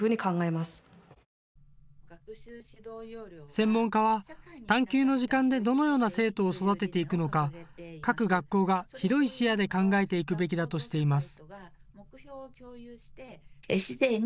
専門家は探究の時間でどのような生徒を育てていくのか各学校が広い視野で考えていくべきだとしています。